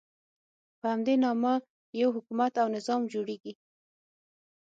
په همدې نامه یو حکومت او نظام جوړېږي.